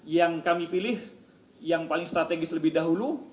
yang kami pilih yang paling strategis lebih dahulu